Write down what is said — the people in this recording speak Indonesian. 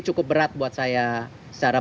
cukup berat buat saya secara